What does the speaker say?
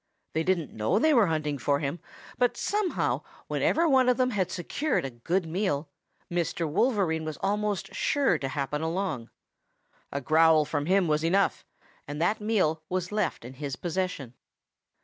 They didn't know they were hunting for him, but somehow whenever one of them had secured a good meal, Mr. Wolverine was almost sure to happen along. A growl from him was enough, and that meal was left in his possession.